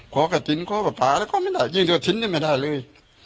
ขอก็จิ้นขอก็ปล่าแล้วก็ไม่ได้จริงก็จิ้นได้ไม่ได้เลย